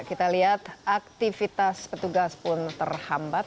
kita lihat aktivitas petugas pun terhambat